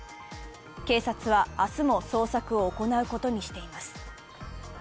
警察は明日も捜索を行うことにしています。